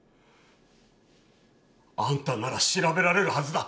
あんたなら調べられるはずだ。